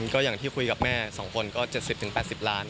ก็อย่างที่คุยกับแม่๒คนก็๗๐๘๐ล้าน